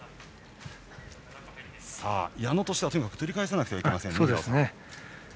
矢野としてはとにかく取り返さないといけません。